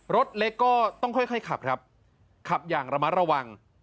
รถเล็กก็ต้องค่อยขับครับขับอย่างระมัดระวัง